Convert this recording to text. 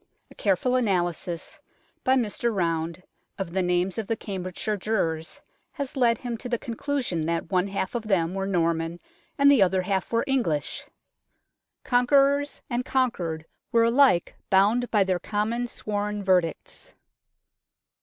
A careful analysis by Mr Round of the names of the Cam bridgeshire jurors has led him to the conclusion that one half of them were Norman and the other half were English. " Conquerors and conquered were alike bound by their common sworn verdicts."